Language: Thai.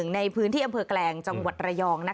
ในพื้นที่อำเภอแกลงจังหวัดระยอง